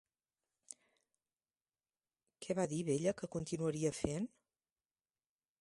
Què va dir Vella que continuaria fent?